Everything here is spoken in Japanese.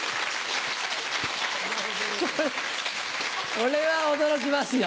これは驚きますよ